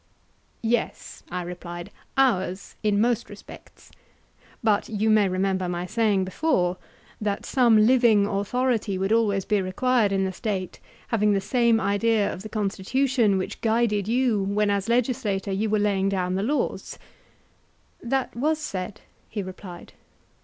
Yes, I replied, ours in most respects; but you may remember my saying before, that some living authority would always be required in the State having the same idea of the constitution which guided you when as legislator you were laying down the laws. That was said, he replied.